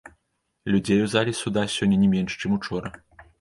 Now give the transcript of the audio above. Людзей у зале суда сёння не менш, чым учора.